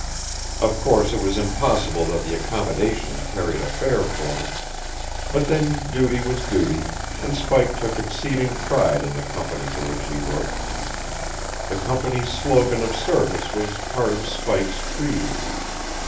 Of course it was impossible that the accommodation carried a fare for him; but then duty was duty, and Spike took exceeding pride in the company for which he worked. The company's slogan of service was part of Spike's creed.